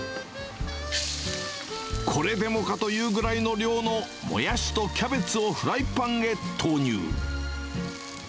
これでもかというぐらいの量のモヤシとキャベツをフライパンへ投入。